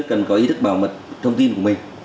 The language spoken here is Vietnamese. cần có ý thức bảo mật thông tin của mình